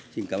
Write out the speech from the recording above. xin cảm ơn